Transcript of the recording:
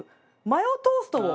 マヨトーストね。